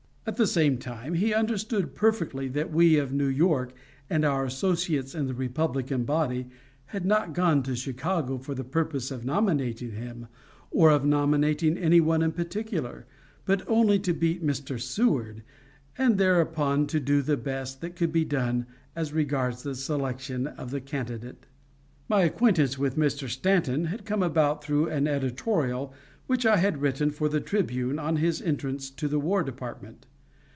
At the same time he understood perfectly that we of New York and our associates in the Republican body had not gone to Chicago for the purpose of nominating him, or of nominating any one in particular, but only to beat Mr. Seward, and thereupon to do the best that could be done as regards the selection of the candidate. My acquaintance with Mr. Stanton had come about through an editorial which I had written for the Tribune on his entrance to the War Department.